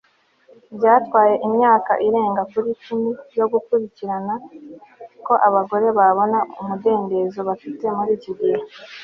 Byatwaye imyaka igera kuri icumi yo guharanira ko abagore babona umudendezo bafite muri iki gihe